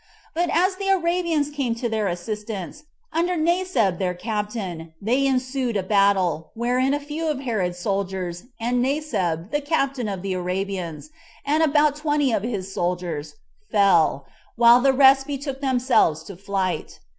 But as the Arabians came to their assistance, under Naceb their captain, there ensued a battle, wherein a few of Herod's soldiers, and Naceb, the captain of the Arabians, and about twenty of his soldiers, fell, while the rest betook themselves to flight.